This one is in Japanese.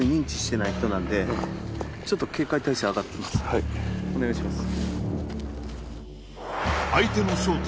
はいお願いします